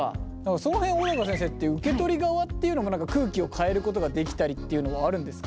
その辺小高先生受け取り側っていうのも何か空気を変えることができたりっていうのはあるんですか？